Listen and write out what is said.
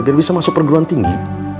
biar bisa masuk perguruan tinggi